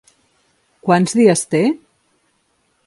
Quants dies té?